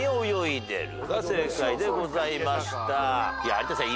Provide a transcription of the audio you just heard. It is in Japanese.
有田さん